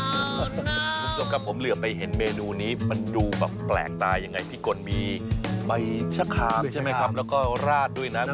คุณผู้ชมครับผมเหลือไปเห็นเมนูนี้มันดูแบบแปลกตายังไงพี่กลมีใบชะคามใช่ไหมครับแล้วก็ราดด้วยนั้น